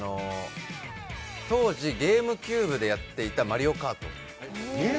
当時、ゲームキューブでやっていた「マリオカート」。